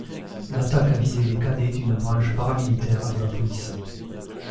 L'attaque a visé des cadets d'une branche paramilitaire de la police.